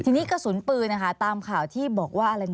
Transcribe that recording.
ทีนี้กระสุนปือน่ะตามข่าวที่บอกว่า